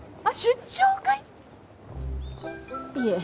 あっ出張かい？